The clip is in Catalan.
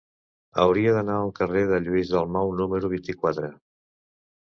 Hauria d'anar al carrer de Lluís Dalmau número vint-i-quatre.